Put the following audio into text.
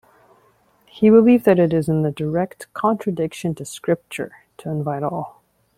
He believed that it is in "direct contradiction to scripture" to invite all.